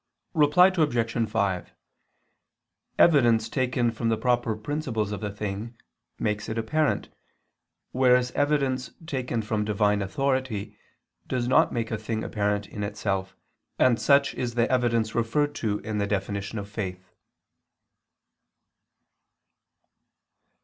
Reply Obj. 5: Evidence taken from the proper principles of a thing, make[s] it apparent, whereas evidence taken from Divine authority does not make a thing apparent in itself, and such is the evidence referred to in the definition of faith.